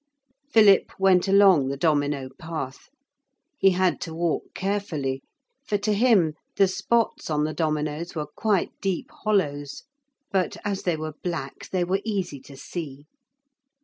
Philip went along the domino path. He had to walk carefully, for to him the spots on the dominoes were quite deep hollows. But as they were black they were easy to see.